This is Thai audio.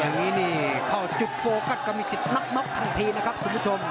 อย่างนี้นี่เข้าจุดโฟกัสก็มีธิดทำมักทันทีนะครับผู้ผู้ชม